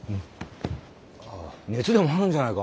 熱でもあるんじゃないか？